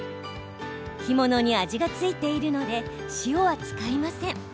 干物に味が付いているので塩は使いません。